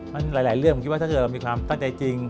มันหลายเรื่องถ้าเกิดมีความตั้นใจจริง